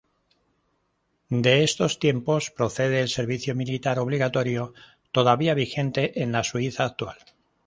De estos tiempos procede el servicio militar obligatorio, todavía vigente en la Suiza actual.